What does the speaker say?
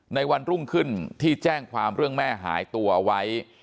วันรุ่งขึ้นที่แจ้งความเรื่องแม่หายตัวเอาไว้